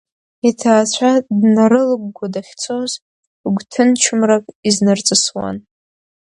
Иҭаацәа днарылыгәгәа дахьцоз гәҭынчымрак изнарҵысуан.